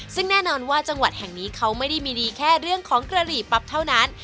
ซึ่งแน่นอนว่าจังหวัดแห่งนี้เขาไม่ได้มีดีแค่เรื่องของกระหลีปั๊บเท่านั้น